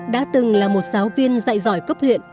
đã từng là một giáo viên dạy cấp huyện